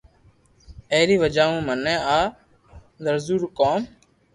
اي ري وجہ مون مني آ درزو رو ڪوم